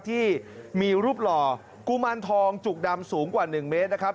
ที่มีรูปหล่อกุมารทองจุกดำสูงกว่า๑เมตรนะครับ